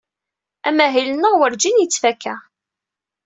Amahil-nneɣ Wurǧin yettfaka.